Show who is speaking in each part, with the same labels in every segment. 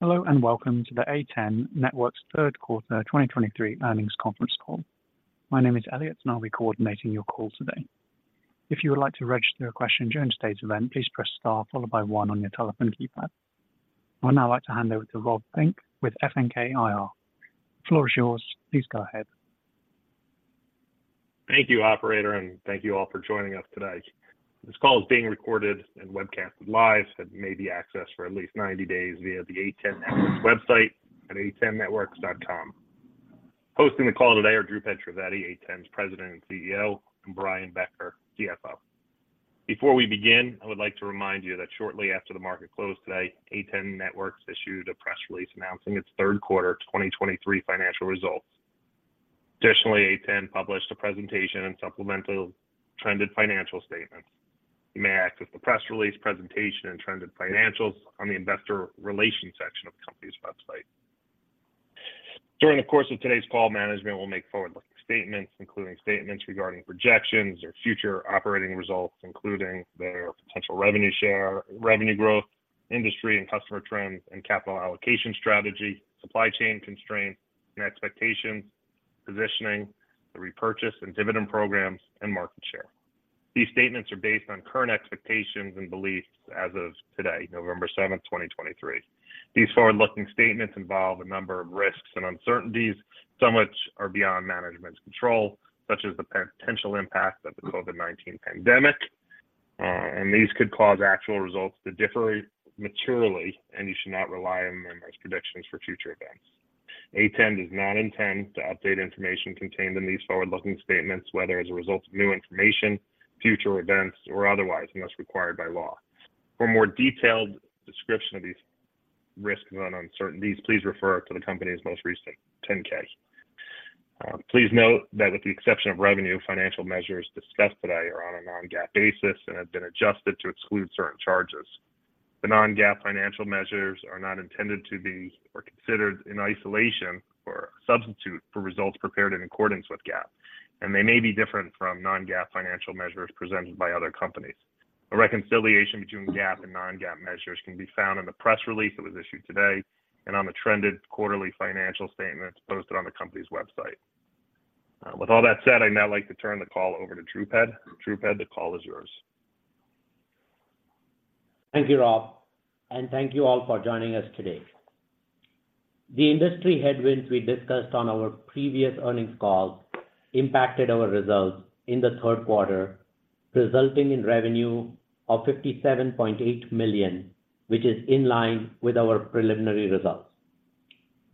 Speaker 1: Hello, and welcome to the A10 Networks Q3 2023 earnings conference call. My name is Elliot, and I'll be coordinating your call today. If you would like to register a question during today's event, please press star followed by one on your telephone keypad. I would now like to hand over to Rob Fink with FNK IR. The floor is yours. Please go ahead.
Speaker 2: Thank you, operator, and thank you all for joining us today. This call is being recorded and webcast live and may be accessed for at least 90 days via the A10 Networks website at a10networks.com. Hosting the call today are Dhrupad Trivedi, A10's President and CEO, and Brian Becker, CFO. Before we begin, I would like to remind you that shortly after the market closed today, A10 Networks issued a press release announcing its Q3 2023 financial results. Additionally, A10 published a presentation and supplemental trended financial statements. You may access the press release, presentation, and trended financials on the investor relations section of the company's website. During the course of today's call, management will make forward-looking statements, including statements regarding projections or future operating results, including their potential revenue share, revenue growth, industry and customer trends, and capital allocation strategy, supply chain constraints and expectations, positioning, the repurchase and dividend programs, and market share. These statements are based on current expectations and beliefs as of today, November 7, 2023. These forward-looking statements involve a number of risks and uncertainties, some which are beyond management's control, such as the potential impact of the COVID-19 pandemic. These could cause actual results to differ materially, and you should not rely on them as predictions for future events. A10 does not intend to update information contained in these forward-looking statements, whether as a result of new information, future events, or otherwise, unless required by law. For more detailed description of these risks and uncertainties, please refer to the company's most recent 10-K. Please note that with the exception of revenue, financial measures discussed today are on a non-GAAP basis and have been adjusted to exclude certain charges. The non-GAAP financial measures are not intended to be or considered in isolation or a substitute for results prepared in accordance with GAAP, and they may be different from non-GAAP financial measures presented by other companies. A reconciliation between GAAP and non-GAAP measures can be found in the press release that was issued today and on the trended quarterly financial statements posted on the company's website. With all that said, I'd now like to turn the call over to Dhrupad. Dhrupad, the call is yours.
Speaker 3: Thank you, Rob, and thank you all for joining us today. The industry headwinds we discussed on our previous earnings call impacted our results in the Q3, resulting in revenue of $57.8 million, which is in line with our preliminary results.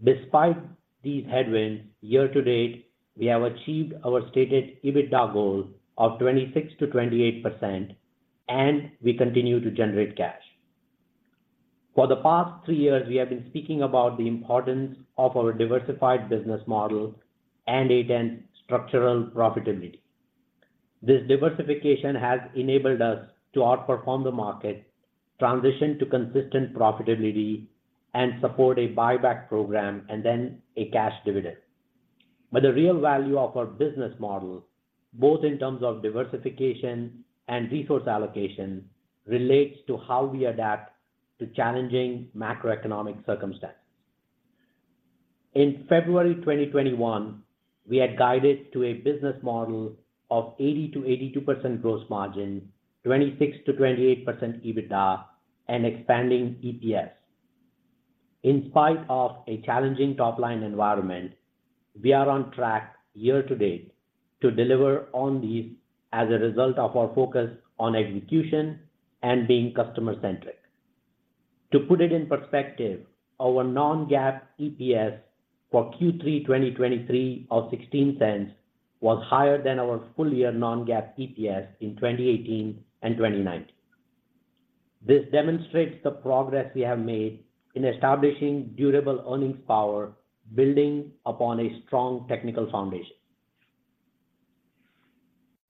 Speaker 3: Despite these headwinds, year to date, we have achieved our stated EBITDA goal of 26% - 28%, and we continue to generate cash. For the past three years, we have been speaking about the importance of our diversified business model and A10 structural profitability. This diversification has enabled us to outperform the market, transition to consistent profitability, and support a buyback program, and then a cash dividend. But the real value of our business model, both in terms of diversification and resource allocation, relates to how we adapt to challenging macroeconomic circumstances. In February 2021, we had guided to a business model of 80% - 82% gross margin, 26% - 28% EBITDA, and expanding EPS. In spite of a challenging top-line environment, we are on track year-to-date to deliver on these as a result of our focus on execution and being customer-centric. To put it in perspective, our non-GAAP EPS for Q3 2023 of $0.16 was higher than our full-year non-GAAP EPS in 2018 and 2019. This demonstrates the progress we have made in establishing durable earnings power, building upon a strong technical foundation.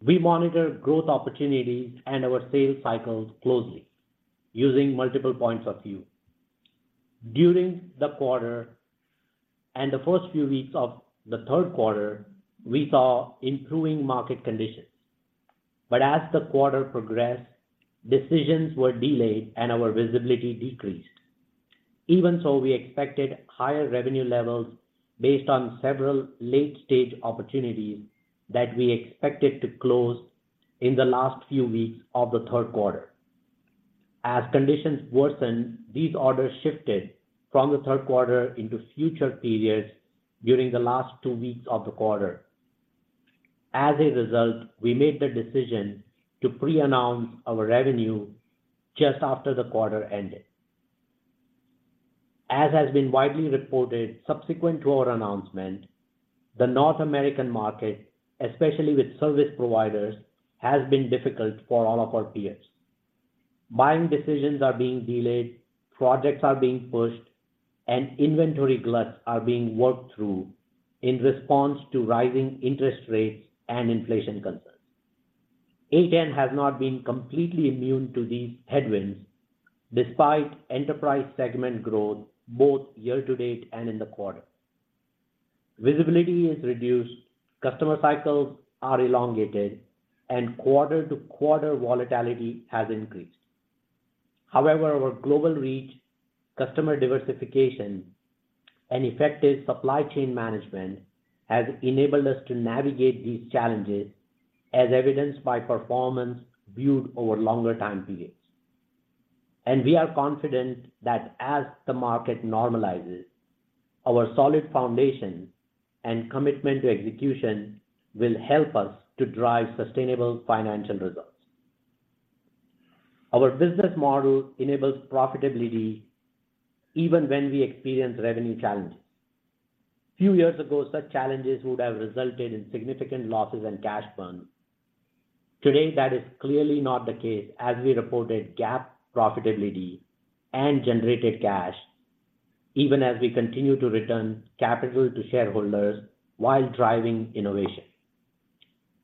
Speaker 3: We monitor growth opportunities and our sales cycles closely, using multiple points of view. During the quarter and the first few weeks of the Q3, we saw improving market conditions. But as the quarter progressed, decisions were delayed and our visibility decreased. Even so, we expected higher revenue levels based on several late-stage opportunities that we expected to close in the last few weeks of the Q3. As conditions worsened, these orders shifted from the Q3 into future periods during the last two weeks of the quarter. As a result, we made the decision to pre-announce our revenue just after the quarter ended. As has been widely reported, subsequent to our announcement, the North American market, especially with service providers, has been difficult for all of our peers. Buying decisions are being delayed, projects are being pushed, and inventory gluts are being worked through in response to rising interest rates and inflation concerns. A10 has not been completely immune to these headwinds, despite enterprise segment growth both year to date and in the quarter. Visibility is reduced, customer cycles are elongated, and quarter-to-quarter volatility has increased. However, our global reach, customer diversification, and effective supply chain management has enabled us to navigate these challenges, as evidenced by performance viewed over longer time periods. We are confident that as the market normalizes, our solid foundation and commitment to execution will help us to drive sustainable financial results. Our business model enables profitability even when we experience revenue challenges. A few years ago, such challenges would have resulted in significant losses and cash burn. Today, that is clearly not the case, as we reported GAAP profitability and generated cash, even as we continue to return capital to shareholders while driving innovation.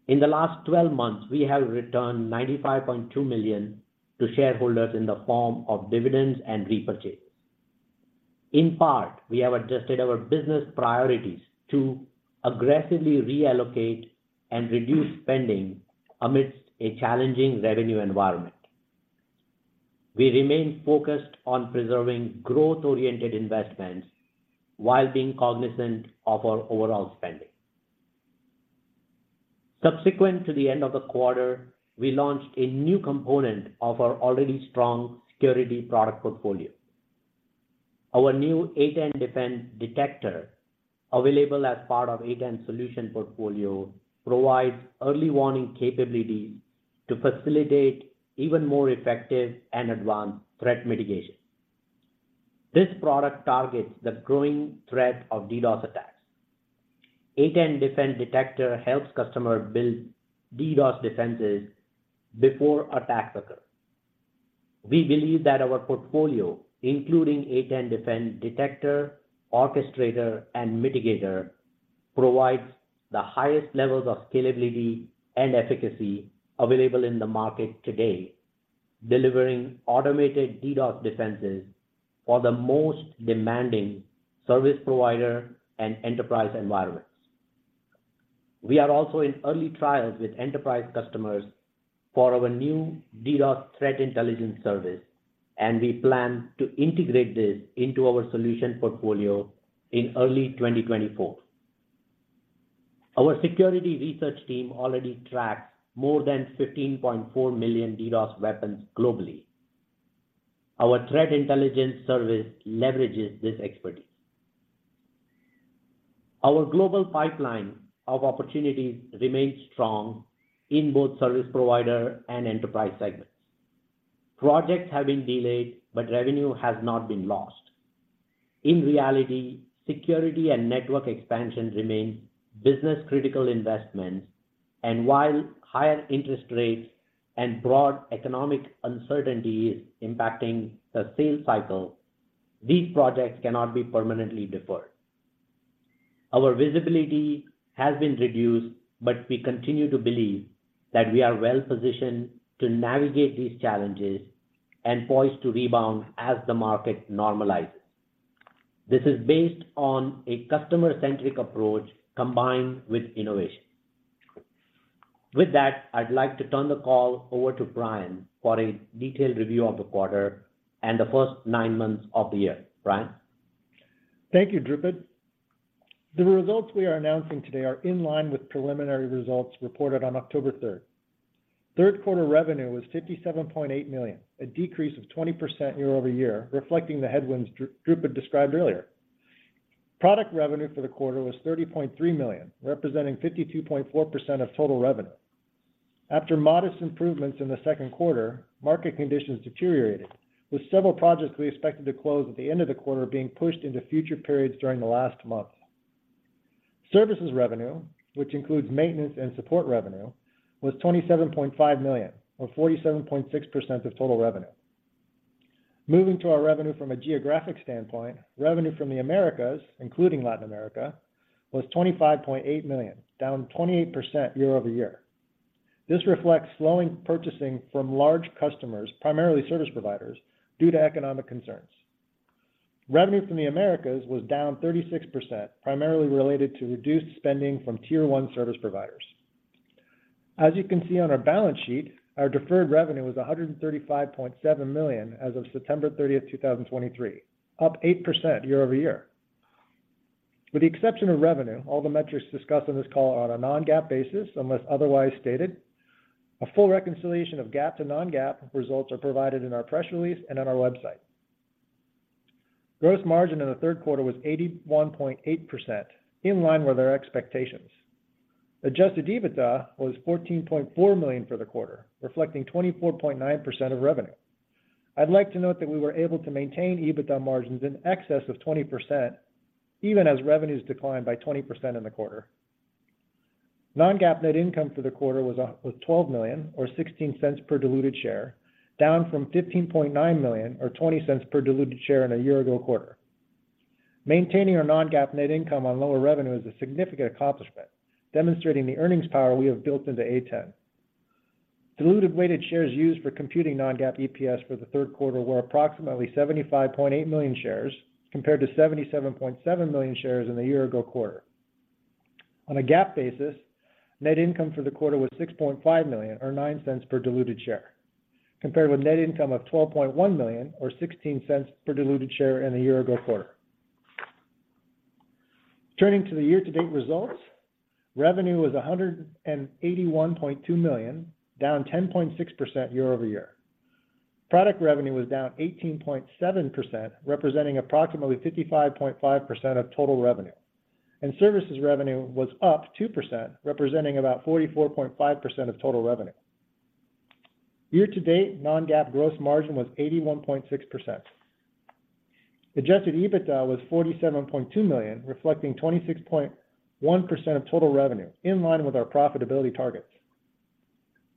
Speaker 3: In the last 12 months, we have returned $95.2 million to shareholders in the form of dividends and repurchases. In part, we have adjusted our business priorities to aggressively reallocate and reduce spending amidst a challenging revenue environment. We remain focused on preserving growth-oriented investments while being cognizant of our overall spending. Subsequent to the end of the quarter, we launched a new component of our already strong security product portfolio. Our new A10 Defend Detector, available as part of A10 solution portfolio, provides early warning capability to facilitate even more effective and advanced threat mitigation. This product targets the growing threat of DDoS attacks. A10 Defend Detector helps customers build DDoS defenses before attacks occur. We believe that our portfolio, including A10 Defend Detector, Orchestrator, and Mitigator, provides the highest levels of scalability and efficacy available in the market today, delivering automated DDoS defenses for the most demanding service provider and enterprise environments. We are also in early trials with enterprise customers for our new DDoS Threat Intelligence service, and we plan to integrate this into our solution portfolio in early 2024. Our security research team already tracks more than 15.4 million DDoS weapons globally. Our threat intelligence service leverages this expertise. Our global pipeline of opportunities remains strong in both service provider and enterprise segments. Projects have been delayed, but revenue has not been lost. In reality, security and network expansion remain business-critical investments, and while higher interest rates and broad economic uncertainty is impacting the sales cycle, these projects cannot be permanently deferred. Our visibility has been reduced, but we continue to believe that we are well positioned to navigate these challenges and poised to rebound as the market normalizes. This is based on a customer-centric approach combined with innovation. With that, I'd like to turn the call over to Brian for a detailed review of the quarter and the first nine months of the year. Brian?
Speaker 4: Thank you, Dhrupad. The results we are announcing today are in line with preliminary results reported on October third. Q3 revenue was $57.8 million, a decrease of 20% year-over-year, reflecting the headwinds Dhrupad described earlier. Product revenue for the quarter was $30.3 million, representing 52.4% of total revenue. After modest improvements in the Q2, market conditions deteriorated, with several projects we expected to close at the end of the quarter being pushed into future periods during the last month. Services revenue, which includes maintenance and support revenue, was $27.5 million, or 47.6% of total revenue. Moving to our revenue from a geographic standpoint, revenue from the Americas, including Latin America, was $25.8 million, down 28% year-over-year. This reflects slowing purchasing from large customers, primarily service providers, due to economic concerns. Revenue from the Americas was down 36%, primarily related to reduced spending from Tier 1 service providers. As you can see on our balance sheet, our deferred revenue was $135.7 million as of September 30, 2023, up 8% year-over-year. With the exception of revenue, all the metrics discussed on this call are on a non-GAAP basis, unless otherwise stated. A full reconciliation of GAAP to non-GAAP results are provided in our press release and on our website. Gross margin in the Q3 was 81.8%, in line with our expectations. Adjusted EBITDA was $14.4 million for the quarter, reflecting 24.9% of revenue. I'd like to note that we were able to maintain EBITDA margins in excess of 20%, even as revenues declined by 20% in the quarter. Non-GAAP net income for the quarter was was $12 million or $0.16 per diluted share, down from $15.9 million or $0.20 per diluted share in a year ago quarter. Maintaining our non-GAAP net income on lower revenue is a significant accomplishment, demonstrating the earnings power we have built into A10 diluted weighted shares used for computing non-GAAP EPS for the Q3 were approximately 75.8 million shares, compared to 77.7 million shares in the year ago quarter. On a GAAP basis, net income for the quarter was $6.5 million, or $0.09 per diluted share, compared with net income of $12.1 million, or $0.16 per diluted share in the year ago quarter. Turning to the year-to-date results, revenue was $181.2 million, down 10.6% year-over-year. Product revenue was down 18.7%, representing approximately 55.5% of total revenue, and services revenue was up 2%, representing about 44.5% of total revenue. Year-to-date, non-GAAP gross margin was 81.6%. Adjusted EBITDA was $47.2 million, reflecting 26.1% of total revenue, in line with our profitability targets.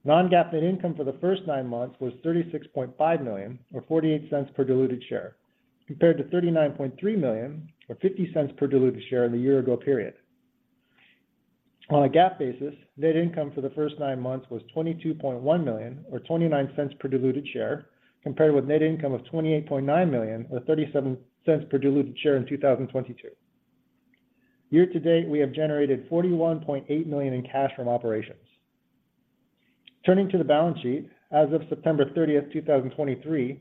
Speaker 4: Non-GAAP net income for the first nine months was $36.5 million, or $0.48 per diluted share, compared to $39.3 million or $0.50 per diluted share in the year ago period. On a GAAP basis, net income for the first nine months was $22.1 million or $0.29 per diluted share, compared with net income of $28.9 million or $0.37 per diluted share in 2022. Year to date, we have generated $41.8 million in cash from operations. Turning to the balance sheet, as of September 30, 2023,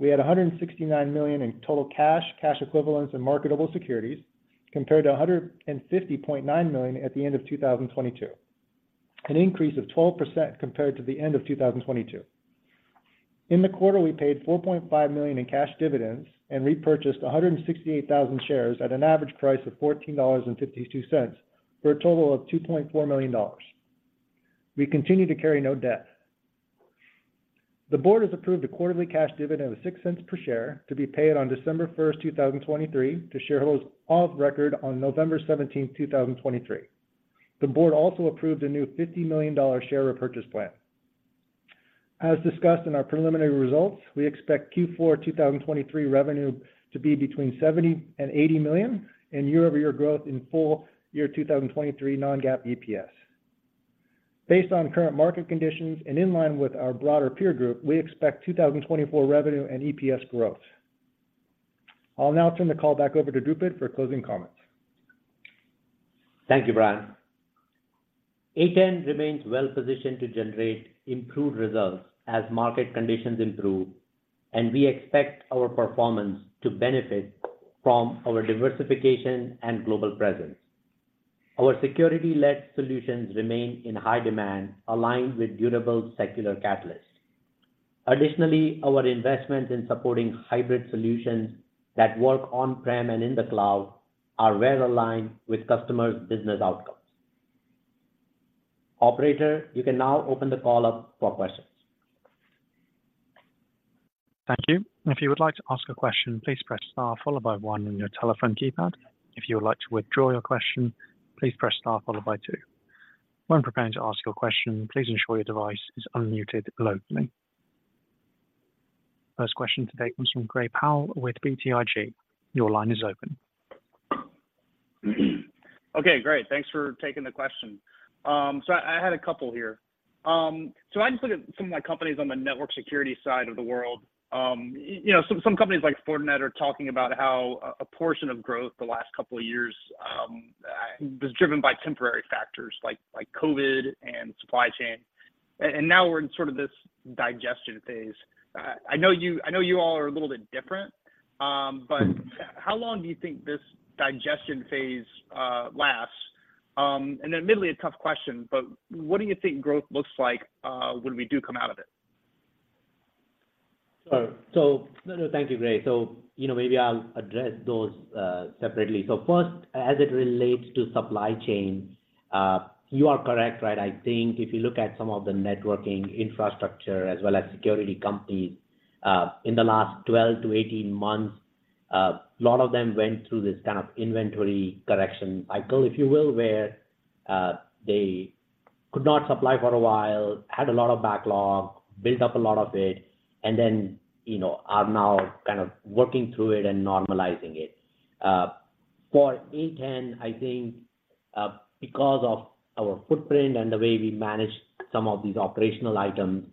Speaker 4: we had $169 million in total cash, cash equivalents, and marketable securities, compared to $150.9 million at the end of 2022, an increase of 12% compared to the end of 2022. In the quarter, we paid $4.5 million in cash dividends and repurchased 168,000 shares at an average price of $14.52, for a total of $2.4 million. We continue to carry no debt. The board has approved a quarterly cash dividend of $0.06 per share to be paid on December 1, 2023, to shareholders of record on November 17, 2023. The board also approved a new $50 million share repurchase plan. As discussed in our preliminary results, we expect Q4 2023 revenue to be between $70 million and $80 million in year-over-year growth in full year 2023 non-GAAP EPS. Based on current market conditions and in line with our broader peer group, we expect 2024 revenue and EPS growth. I'll now turn the call back over to Dhrupad for closing comments.
Speaker 3: Thank you, Brian. A10 remains well positioned to generate improved results as market conditions improve, and we expect our performance to benefit from our diversification and global presence. Our security-led solutions remain in high demand, aligned with durable secular catalysts. Additionally, our investments in supporting hybrid solutions that work on-prem and in the cloud are well aligned with customers' business outcomes. Operator, you can now open the call up for questions.
Speaker 1: Thank you. If you would like to ask a question, please press star followed by one on your telephone keypad. If you would like to withdraw your question, please press star followed by two. When preparing to ask your question, please ensure your device is unmuted locally. First question today comes from Gray Powell with BTIG. Your line is open.
Speaker 5: Okay, great. Thanks for taking the question. So I had a couple here. So I just look at some of my companies on the network security side of the world. You know, some companies like Fortinet are talking about how a portion of growth the last couple of years was driven by temporary factors like COVID and supply chain. And now we're in sort of this digestion phase. I know you all are a little bit different, but how long do you think this digestion phase lasts? And admittedly, a tough question, but what do you think growth looks like when we do come out of it?
Speaker 3: No, no, thank you, Gray. So, you know, maybe I'll address those separately. So first, as it relates to supply chain, you are correct, right? I think if you look at some of the networking infrastructure as well as security companies in the last 12 - 18 months, a lot of them went through this kind of inventory correction cycle, if you will, where they could not supply for a while, had a lot of backlog, built up a lot of it, and then, you know, are now kind of working through it and normalizing it. For A10, I think because of our footprint and the way we manage some of these operational items,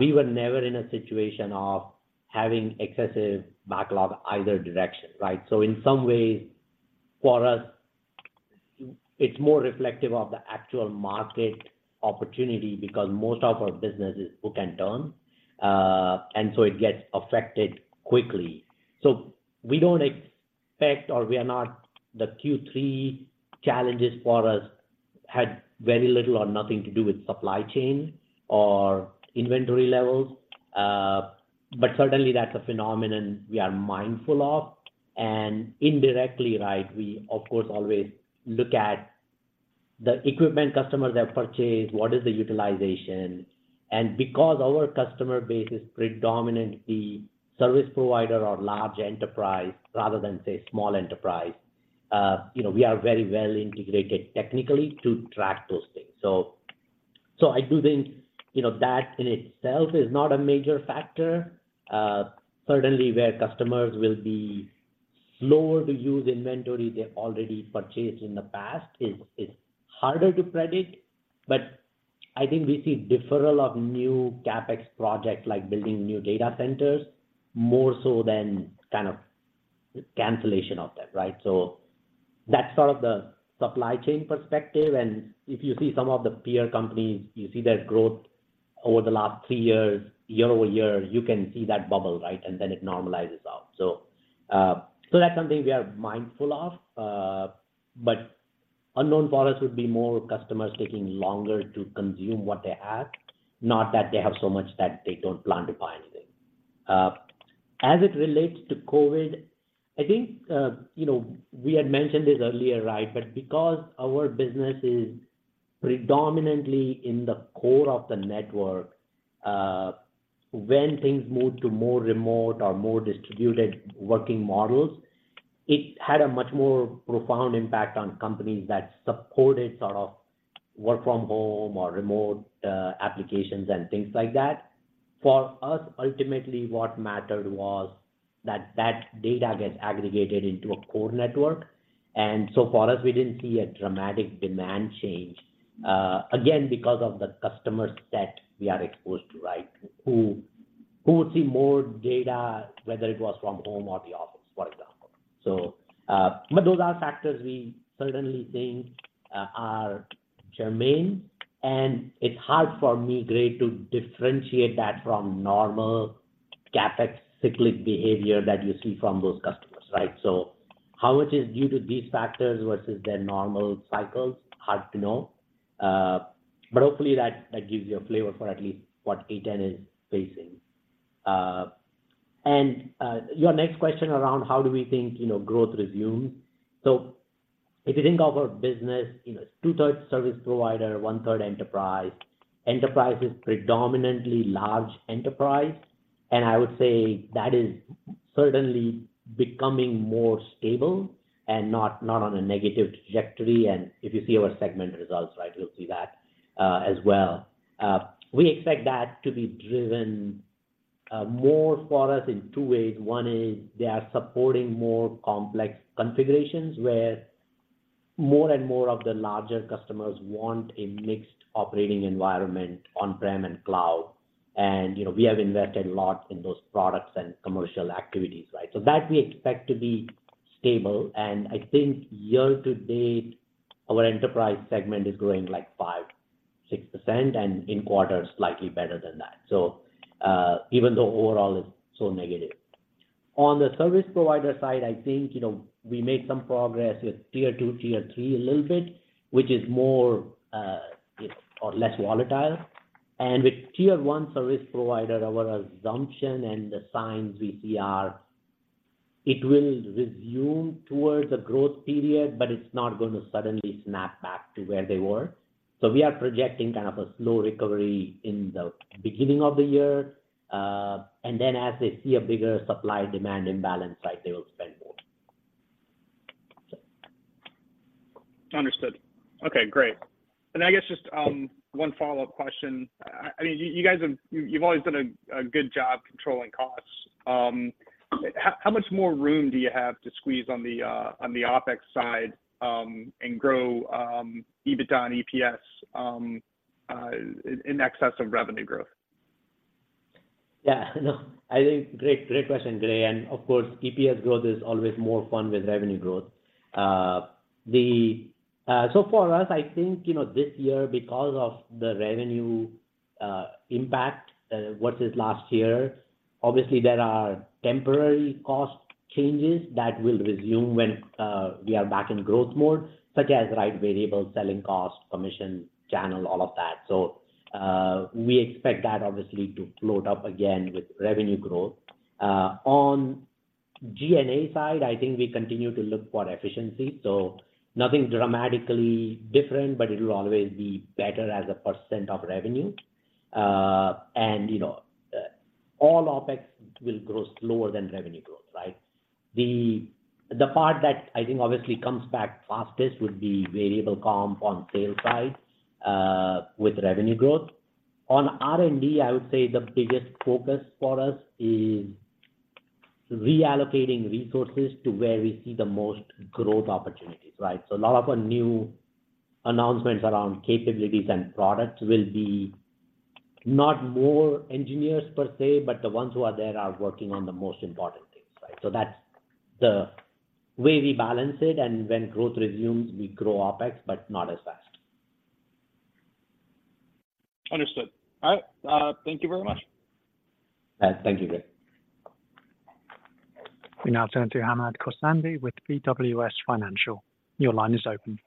Speaker 3: we were never in a situation of having excessive backlog either direction, right? So in some ways, for us, it's more reflective of the actual market opportunity because most of our business is book and turn, and so it gets affected quickly. So we don't expect, or we are not, the Q3 challenges for us had very little or nothing to do with supply chain or inventory levels. But certainly, that's a phenomenon we are mindful of, and indirectly, right, we of course always look at the equipment customers have purchased, what is the utilization? And because our customer base is predominantly service provider or large enterprise rather than, say, small enterprise, you know, we are very well integrated technically to track those things. So, so I do think, you know, that in itself is not a major factor. Certainly, where customers will be slower to use inventory they've already purchased in the past is harder to predict. I think we see deferral of new CapEx projects, like building new data centers, more so than kind of cancellation of that, right? That's sort of the supply chain perspective. If you see some of the peer companies, you see their growth over the last three years, year-over-year, you can see that bubble, right? Then it normalizes out. So, so that's something we are mindful of. But unknown products would be more customers taking longer to consume what they have, not that they have so much that they don't plan to buy anything. As it relates to COVID, I think, you know, we had mentioned this earlier, right? But because our business is predominantly in the core of the network, when things moved to more remote or more distributed working models, it had a much more profound impact on companies that supported sort of work from home or remote, applications and things like that. For us, ultimately, what mattered was that that data gets aggregated into a core network, and so for us, we didn't see a dramatic demand change, again, because of the customer set we are exposed to, right? Who would see more data, whether it was from home or the office, for example. So, but those are factors we certainly think are germane, and it's hard for me, Gray, to differentiate that from normal CapEx cyclic behavior that you see from those customers, right? So how it is due to these factors versus their normal cycles, hard to know. But hopefully that gives you a flavor for at least what A10 is facing. Your next question around how do we think, you know, growth resumes. If you think of our business, you know, two-thirds service provider, one-third enterprise. Enterprise is predominantly large enterprise, and I would say that is certainly becoming more stable and not on a negative trajectory. If you see our segment results, right, you'll see that as well. We expect that to be driven more for us in two ways. One is they are supporting more complex configurations, where more and more of the larger customers want a mixed operating environment on prem and cloud. We have invested a lot in those products and commercial activities, right? That we expect to be stable. I think year to date, our enterprise segment is growing, like, 5% - 6%, and in quarters, slightly better than that. So, even though overall is still negative. On the service provider side, I think, you know, we made some progress with Tier 2, Tier 3 a little bit, which is more or less volatile. And with Tier 1 service provider, our assumption and the signs we see are it will resume towards a growth period, but it's not going to suddenly snap back to where they were. So we are projecting kind of a slow recovery in the beginning of the year, and then as they see a bigger supply-demand imbalance, like, they will spend more.
Speaker 5: Understood. Okay, great. And I guess just one follow-up question. I mean, you guys have—you've always done a good job controlling costs. How much more room do you have to squeeze on the OpEx side, and grow EBITDA and EPS in excess of revenue growth?
Speaker 3: Yeah, no, I think great, great question, Gray. And of course, EPS growth is always more fun with revenue growth. So for us, I think, you know, this year, because of the revenue impact versus last year, obviously there are temporary cost changes that will resume when we are back in growth mode, such as right variable selling cost, commission, channel, all of that. So, we expect that obviously to load up again with revenue growth. On G&A side, I think we continue to look for efficiency, so nothing dramatically different, but it will always be better as a percent of revenue. And, you know, all OpEx will grow slower than revenue growth, right? The part that I think obviously comes back fastest would be variable comp on sales side with revenue growth. On R&D, I would say the biggest focus for us is reallocating resources to where we see the most growth opportunities, right? So a lot of our new announcements around capabilities and products will be not more engineers per se, but the ones who are there are working on the most important things, right? So that's the way we balance it, and when growth resumes, we grow OpEx, but not as fast.
Speaker 5: Understood. All right, thank you very much.
Speaker 3: Thank you, Gray.
Speaker 1: We now turn to Hamed Khorsand with BWS Financial. Your line is open.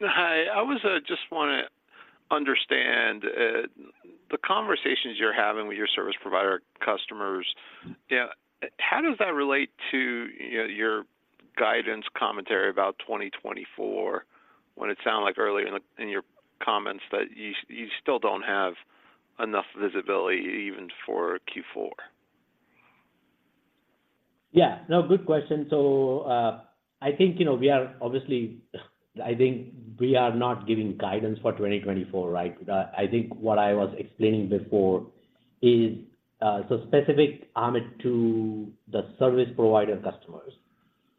Speaker 6: Hi, I was just wanna understand the conversations you're having with your service provider customers. Yeah, how does that relate to, you know, your guidance commentary about 2024, when it sound like earlier in your comments that you still don't have enough visibility even for Q4?
Speaker 3: Yeah. No, good question. So, I think, you know, we are obviously, I think we are not giving guidance for 2024, right? I, I think what I was explaining before is so specific, Hamed, to the service provider customers.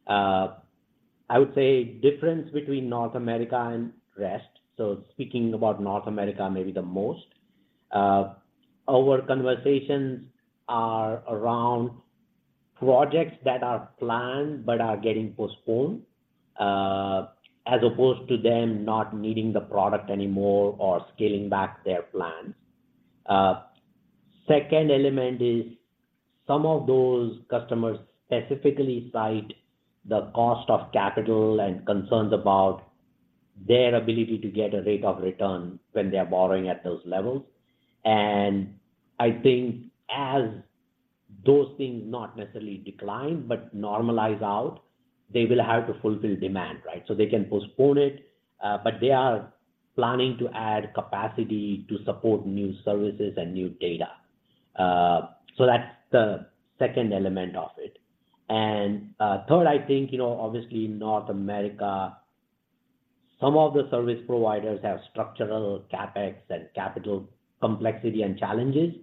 Speaker 3: I would say difference between North America and rest, so speaking about North America, maybe the most, our conversations are around projects that are planned but are getting postponed, as opposed to them not needing the product anymore or scaling back their plans. Second element is some of those customers specifically cite the cost of capital and concerns about their ability to get a rate of return when they are borrowing at those levels. And I think as those things not necessarily decline, but normalize out, they will have to fulfill demand, right? So they can postpone it, but they are planning to add capacity to support new services and new data. So that's the second element of it. And, third, I think, you know, obviously North America, some of the service providers have structural CapEx and capital complexity and challenges,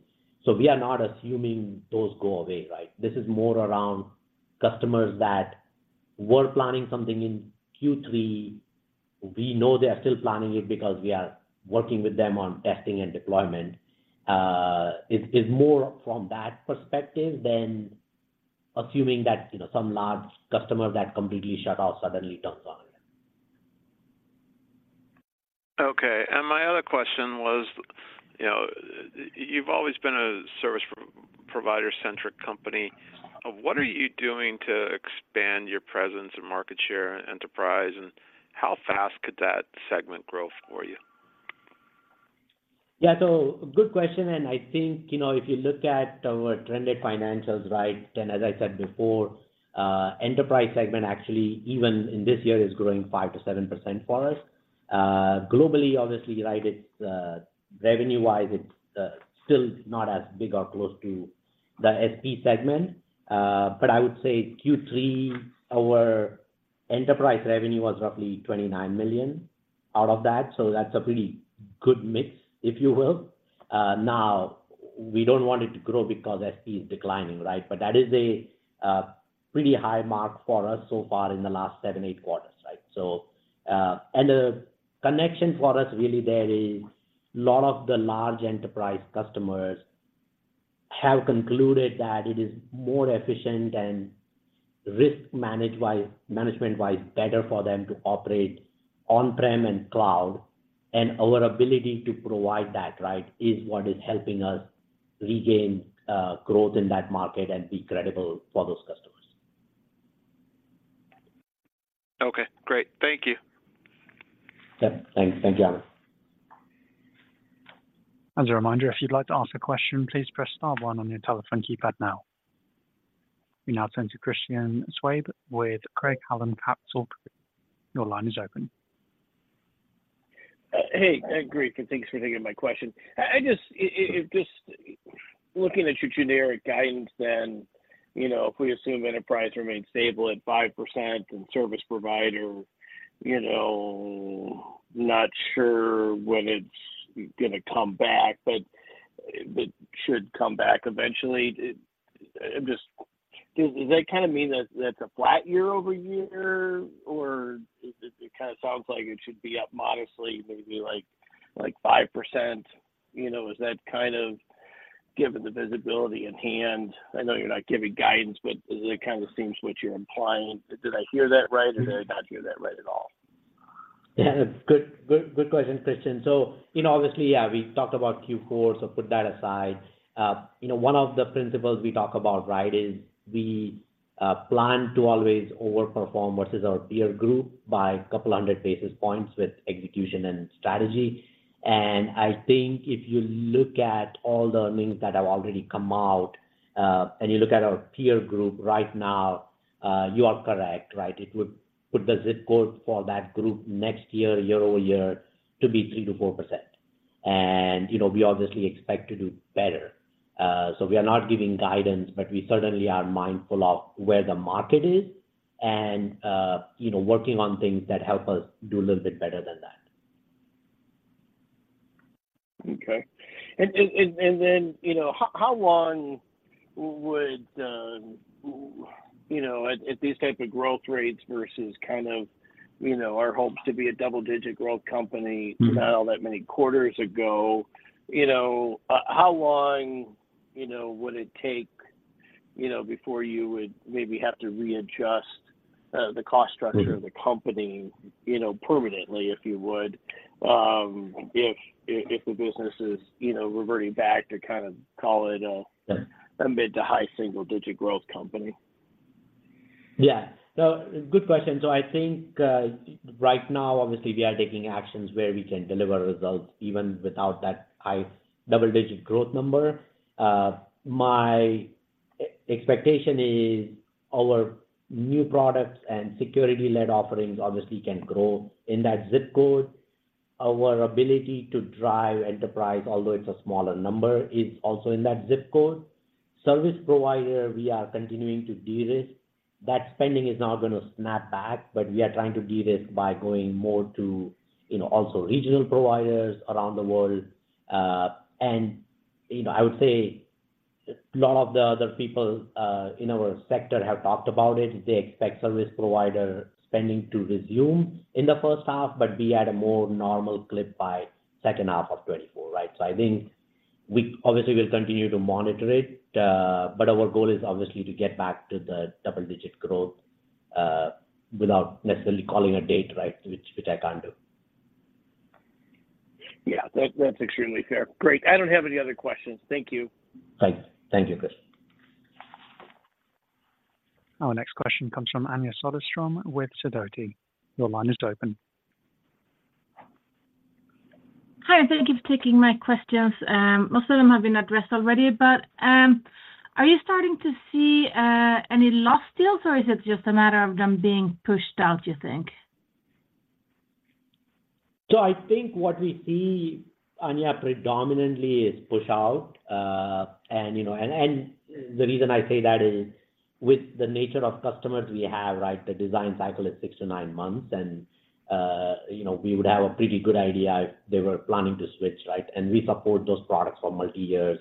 Speaker 3: so we are not assuming those go away, right? This is more around customers that were planning something in Q3. We know they are still planning it because we are working with them on testing and deployment. It's, it's more from that perspective than assuming that, you know, some large customer that completely shut off suddenly turns on.
Speaker 6: Okay. My other question was, you know, you've always been a service provider-centric company. What are you doing to expand your presence and market share enterprise, and how fast could that segment grow for you?
Speaker 3: Yeah, so good question, and I think, you know, if you look at our trended financials, right, then as I said before, enterprise segment, actually, even in this year, is growing 5%-7% for us. Globally, obviously, right, it's revenue-wise, it's still not as big or close to the SP segment. But I would say Q3, our enterprise revenue was roughly $29 million out of that, so that's a pretty good mix, if you will. Now, we don't want it to grow because SP is declining, right? But that is a pretty high mark for us so far in the last seven-eight quarters, right? So, and the connection for us, really, there is a lot of the large enterprise customers have concluded that it is more efficient and risk manage-wise, management-wise, better for them to operate on-prem and cloud, and our ability to provide that, right, is what is helping us regain growth in that market and be credible for those customers.
Speaker 6: Okay, great. Thank you.
Speaker 3: Yeah. Thank you, Hamed.
Speaker 1: As a reminder, if you'd like to ask a question, please press star one on your telephone keypad now. We now turn to Christian Schwab with Craig-Hallum Capital. Your line is open.
Speaker 7: Hey, great, and thanks for taking my question. I just looking at your generic guidance, then, you know, if we assume enterprise remains stable at 5% and service provider, you know, not sure when it's gonna come back, but it should come back eventually. It just, does that kinda mean that, that's a flat year-over-year, or it kind of sounds like it should be up modestly, maybe like 5%, you know. Is that kind of given the visibility at hand? I know you're not giving guidance, but it kind of seems what you're implying. Did I hear that right, or did I not hear that right at all?
Speaker 3: Yeah. Good, good, good question, Christian. So, you know, obviously, yeah, we talked about Q4, so put that aside. You know, one of the principles we talk about, right, is we plan to always overperform versus our peer group by 200 basis points with execution and strategy. And I think if you look at all the earnings that have already come out, and you look at our peer group right now, you are correct, right? It would put the zip code for that group next year, year-over-year, to be 3% - 4%. And, you know, we obviously expect to do better. So we are not giving guidance, but we certainly are mindful of where the market is and, you know, working on things that help us do a little bit better than that.
Speaker 7: Okay. And then, you know, how long would the, you know, at these type of growth rates versus kind of, you know, our hopes to be a double-digit growth company-
Speaker 3: Mm-hmm
Speaker 7: -not all that many quarters ago, you know, how long, you know, would it take, you know, before you would maybe have to readjust, the cost structure-
Speaker 3: Mm-hmm
Speaker 7: -of the company, you know, permanently, if you would, if the business is, you know, reverting back to kind of call it a-
Speaker 3: Yeah
Speaker 7: -a mid to high single digit growth company?
Speaker 3: Yeah. No, good question. So I think, right now, obviously, we are taking actions where we can deliver results even without that high double-digit growth number. My expectation is our new products and security-led offerings obviously can grow in that zip code. Our ability to drive enterprise, although it's a smaller number, is also in that zip code. Service provider, we are continuing to de-risk. That spending is now going to snap back, but we are trying to de-risk by going more to, you know, also regional providers around the world. And, you know, I would say a lot of the other people in our sector have talked about it. They expect service provider spending to resume in the first half, but be at a more normal clip by second half of 2024, right? I think we obviously will continue to monitor it, but our goal is obviously to get back to the double-digit growth without necessarily calling a date, right, which I can't do.
Speaker 7: Yeah, that, that's extremely fair. Great. I don't have any other questions. Thank you.
Speaker 3: Thank you, Chris.
Speaker 1: Our next question comes from Anya Soderstrom with Sidoti. Your line is open.
Speaker 8: Hi, thank you for taking my questions. Most of them have been addressed already, but, are you starting to see any lost deals, or is it just a matter of them being pushed out, do you think?
Speaker 3: So I think what we see, Anya, predominantly is push out. And, you know, the reason I say that is with the nature of customers we have, right, the design cycle is six to nine months, and, you know, we would have a pretty good idea if they were planning to switch, right? And we support those products for multi years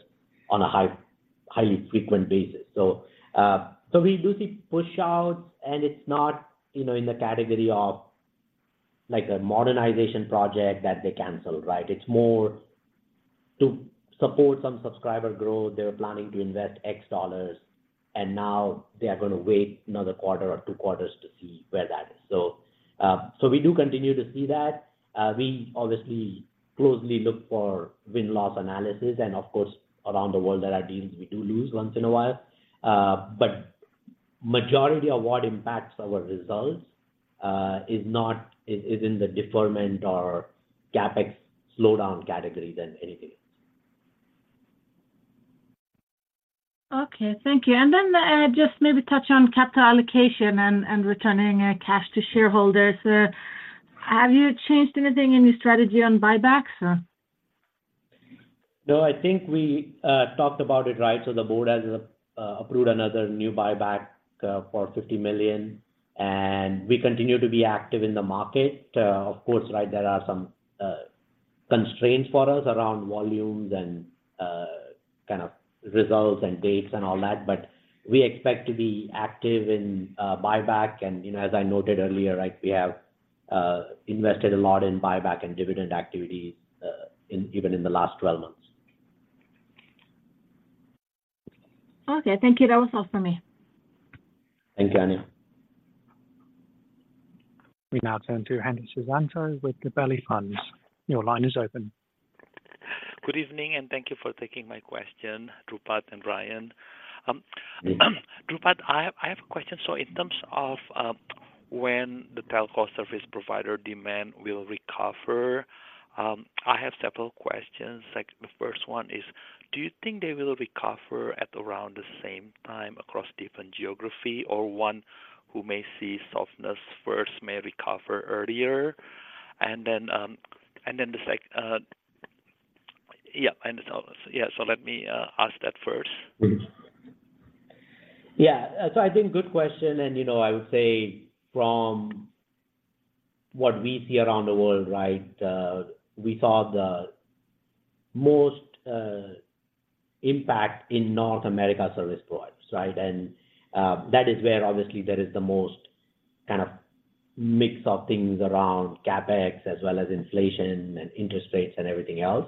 Speaker 3: on a highly frequent basis. So, so we do see push outs, and it's not, you know, in the category of, like, a modernization project that they canceled, right? It's more to support some subscriber growth. They were planning to invest $X, and now they are going to wait another quarter or two quarters to see where that is. So, so we do continue to see that. We obviously closely look for win-loss analysis, and of course, around the world there are deals we do lose once in a while. But majority of what impacts our results is in the deferment or CapEx slowdown category than anything else.
Speaker 8: Okay. Thank you. And then, just maybe touch on capital allocation and returning cash to shareholders. Have you changed anything in your strategy on buybacks, or?
Speaker 3: No, I think we talked about it, right? So the board has approved another new buyback for $50 million, and we continue to be active in the market. Of course, right, there are some constraints for us around volumes and kind of results and dates and all that, but we expect to be active in buyback. And, you know, as I noted earlier, right, we have invested a lot in buyback and dividend activities even in the last 12 months.
Speaker 8: Okay. Thank you. That was all for me.
Speaker 3: Thank you, Anya.
Speaker 1: We now turn to Henry Susanto with Gabelli Funds. Your line is open.
Speaker 9: Good evening, and thank you for taking my question, Dhrupad and Brian. Dhrupad, I have a question. So in terms of when the telco service provider demand will recover, I have several questions. Like, the first one is, do you think they will recover at around the same time across different geography, or one who may see softness first may recover earlier? And then the second, yeah, so let me ask that first.
Speaker 3: Mm-hmm. Yeah. So I think good question, and, you know, I would say from what we see around the world, right, we saw the most, impact in North America service providers, right? And, that is where obviously there is the most kind of mix of things around CapEx, as well as inflation and interest rates and everything else.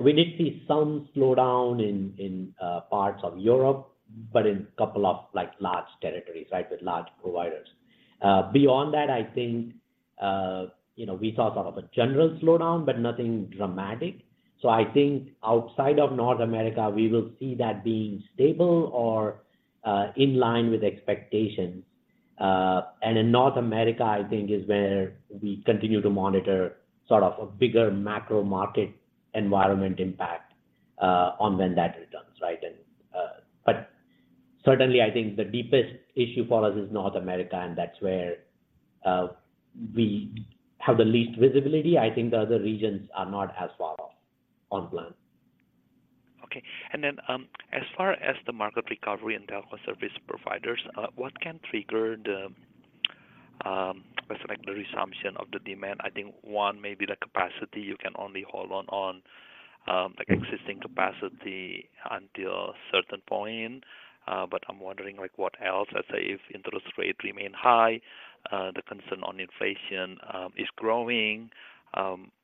Speaker 3: We did see some slowdown in parts of Europe, but in a couple of, like, large territories, right, with large providers. Beyond that, I think, you know, we saw sort of a general slowdown, but nothing dramatic. So I think outside of North America, we will see that being stable or, in line with expectations. And in North America, I think is where we continue to monitor sort of a bigger macro market environment impact, on when that returns, right? But certainly, I think the deepest issue for us is North America, and that's where we have the least visibility. I think the other regions are not as far off on plan.
Speaker 9: Okay. And then, as far as the market recovery in telco service providers, what can trigger the, let's say, like, the resumption of the demand? I think one may be the capacity. You can only hold on, like-
Speaker 3: Mm-hmm
Speaker 9: -existing capacity until a certain point. But I'm wondering, like, what else, let's say, if interest rates remain high, the concern on inflation is growing.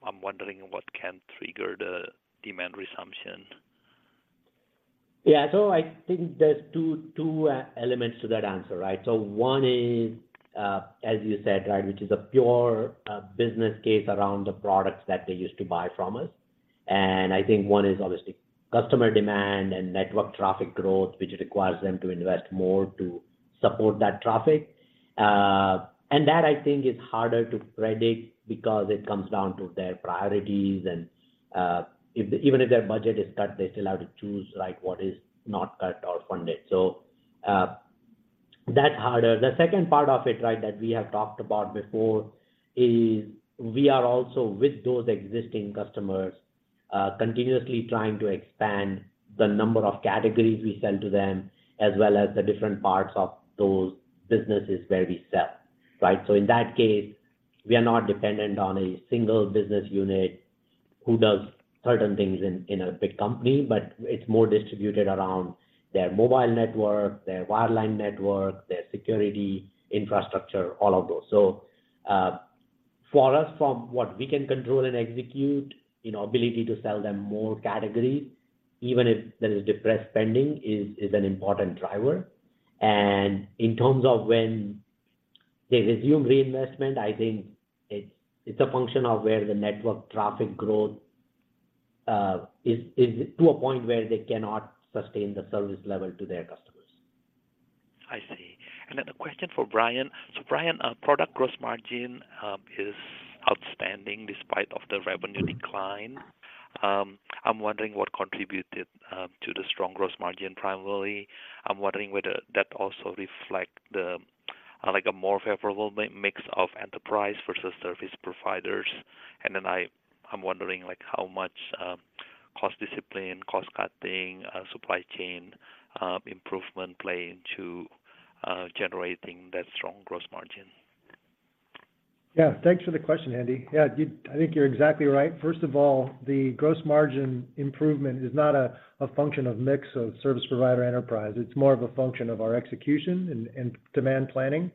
Speaker 9: I'm wondering what can trigger the demand resumption?
Speaker 3: Yeah. So I think there's two, two, elements to that answer, right? So one is, as you said, right, which is a pure, business case around the products that they used to buy from us. And I think one is obviously customer demand and network traffic growth, which requires them to invest more to support that traffic. And that, I think, is harder to predict because it comes down to their priorities. And, even if their budget is cut, they still have to choose, like, what is not cut or funded. So, that's harder. The second part of it, right, that we have talked about before is we are also with those existing customers, continuously trying to expand the number of categories we sell to them, as well as the different parts of those businesses where we sell, right? So in that case, we are not dependent on a single business unit who does certain things in a big company, but it's more distributed around their mobile network, their wireline network, their security infrastructure, all of those. So, for us, from what we can control and execute, you know, ability to sell them more categories, even if there is depressed spending, is an important driver. And in terms of when they resume reinvestment, I think it's a function of where the network traffic growth is to a point where they cannot sustain the service level to their customers.
Speaker 9: I see. And then a question for Brian. So, Brian, product gross margin is outstanding despite of the revenue decline. I'm wondering what contributed to the strong gross margin primarily. I'm wondering whether that also reflect the like a more favorable mix of enterprise versus service providers. And then I'm wondering like how much cost discipline, cost cutting, supply chain improvement play into generating that strong gross margin?
Speaker 4: Yeah, thanks for the question, Henry. Yeah, you, I think you're exactly right. First of all, the gross margin improvement is not a function of mix of service provider enterprise. It's more of a function of our execution and demand planning.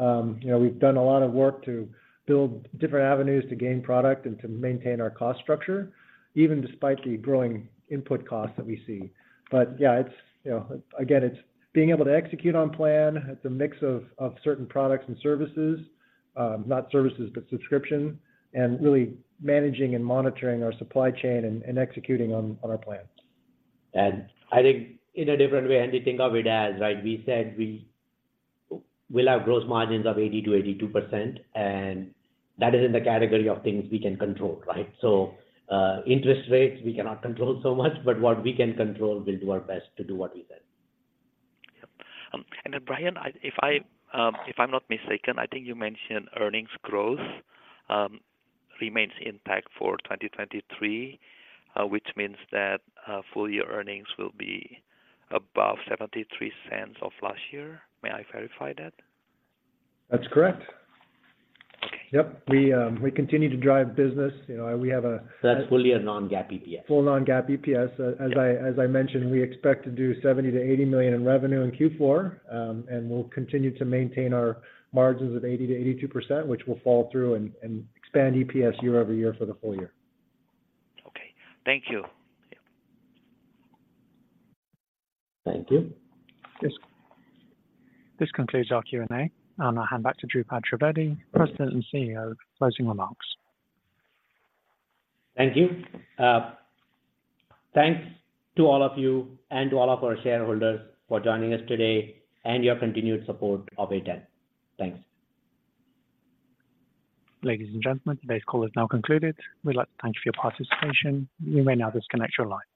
Speaker 4: You know, we've done a lot of work to build different avenues to gain product and to maintain our cost structure, even despite the growing input costs that we see. But yeah, it's, you know, again, it's being able to execute on plan. It's a mix of certain products and services, not services, but subscription, and really managing and monitoring our supply chain and executing on our plans.
Speaker 3: I think in a different way, Henry, think of it as, right, we said we will have gross margins of 80% - 82%, and that is in the category of things we can control, right? So, interest rates, we cannot control so much, but what we can control, we'll do our best to do what we said.
Speaker 9: Yep. And then, Brian, if I'm not mistaken, I think you mentioned earnings growth remains intact for 2023, which means that full year earnings will be above $0.73 of last year. May I verify that?
Speaker 4: That's correct.
Speaker 9: Okay.
Speaker 4: Yep, we continue to drive business. You know, we have a-
Speaker 3: That's fully a non-GAAP EPS.
Speaker 4: Full non-GAAP EPS. As I mentioned, we expect to do $70 million - $80 million in revenue in Q4, and we'll continue to maintain our margins of 80%-82%, which will fall through and expand EPS year-over-year for the whole year.
Speaker 9: Okay. Thank you.
Speaker 3: Thank you.
Speaker 1: This, this concludes our Q&A. I'll now hand back to Dhrupad Trivedi, President and CEO, for closing remarks.
Speaker 3: Thank you. Thanks to all of you and to all of our shareholders for joining us today, and your continued support of A10. Thanks.
Speaker 1: Ladies and gentlemen, today's call is now concluded. We'd like to thank you for your participation. You may now disconnect your lines.